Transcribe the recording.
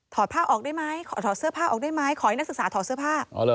ผ้าออกได้ไหมถอดเสื้อผ้าออกได้ไหมขอให้นักศึกษาถอดเสื้อผ้า